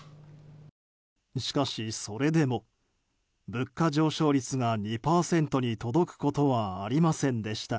しかし、それでも物価上昇率が２％に届くことはありませんでした。